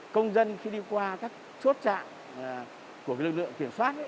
công dân khi đi qua các chốt trạng của lực lượng kiểm soát